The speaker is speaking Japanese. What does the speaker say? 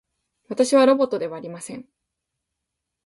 私はロボットではありません